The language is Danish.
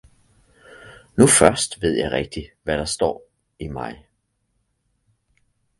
Nu først ved jeg rigtigt, hvad der står i mig